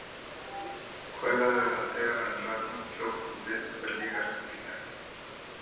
Juega de delantero en Racing Club de la Superliga Argentina.